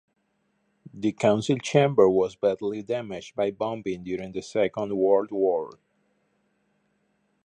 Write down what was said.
The council chamber was badly damaged by bombing during the Second World War.